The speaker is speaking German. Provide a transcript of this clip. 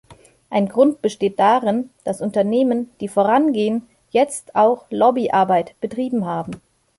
Ein Grund besteht darin, dass Unternehmen, die vorangehen, jetzt auch Lobbyarbeit betrieben haben.